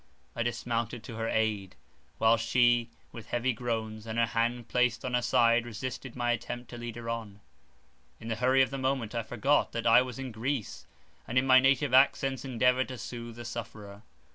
I dismounted to her aid, while she, with heavy groans, and her hand placed on her side, resisted my attempt to lead her on. In the hurry of the moment I forgot that I was in Greece, and in my native accents endeavoured to soothe the sufferer.